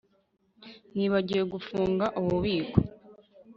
Nibagiwe gufunga ububiko